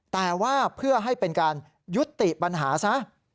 แต่ว่าเพื่อให้เป็นการยุติปัญหาซะ